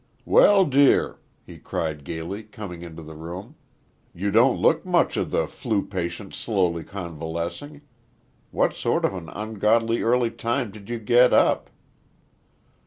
"Well dear!" he cried gaily, coming into the room. "You don't look much of the `flu' patient slowly convalescing. What sort of an ungodly early time did you get up?"